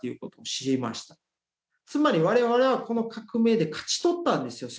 つまり我々はこの革命で勝ち取ったんですよ。